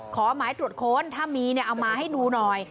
ขอหมายตรวจค้นถ้ามีเนี่ยเอามาให้ดูหน่อย